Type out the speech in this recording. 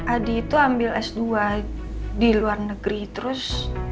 adi itu ambil s dua di luar negeri terus